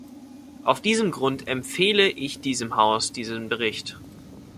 Aus diesem Grund empfehle ich diesem Haus diesen Bericht.